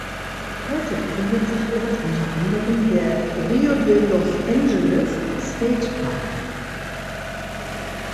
Heute befindet sich dort unter anderem der Rio de Los Angeles State Park.